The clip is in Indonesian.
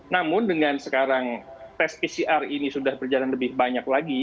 namun dengan sekarang tes pcr ini sudah berjalan lebih banyak lagi